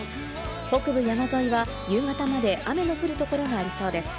北部山沿いは夕方まで雨の降るところがありそうです。